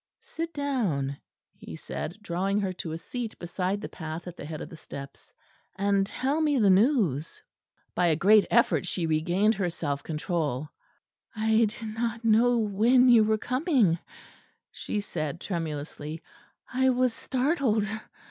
"Sit down," he said, drawing her to a seat beside the path at the head of the steps: "and tell me the news." By a great effort she regained her self control. "I did not know when you were coming," she said tremulously. "I was startled."